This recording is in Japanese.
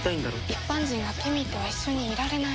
一般人がケミーとは一緒にいられない。